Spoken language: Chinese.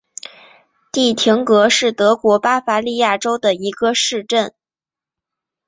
蒂廷格是德国巴伐利亚州的一个市镇。